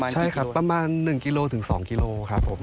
ใช่ครับประมาณ๑กิโลถึง๒กิโลครับผม